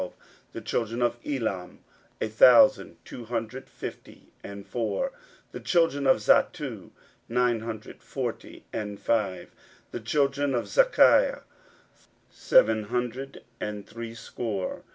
16:007:012 The children of Elam, a thousand two hundred fifty and four. 16:007:013 The children of Zattu, eight hundred forty and five. 16:007:014 The children of Zaccai, seven hundred and threescore.